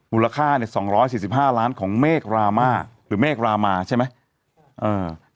มูลค่าเนี่ย๒๔๕ล้านของเมฆรามาหรือเมฆรามาใช่ไหม